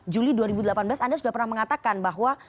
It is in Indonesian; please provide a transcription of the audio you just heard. juli dua ribu delapan belas anda sudah pernah mengatakan bahwa